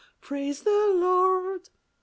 Praise the Lord !